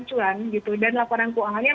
cuan gitu dan laporan keuangannya